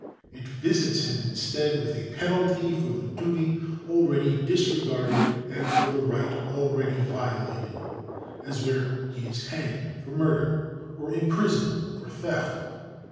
It visits him, instead, with a penalty for the duty already dis regarded and for the right already violated ; as where he is hanged for murder, or imprisoned for theft.